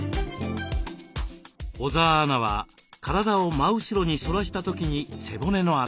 小澤アナは体を真後ろに反らした時に背骨の辺りに。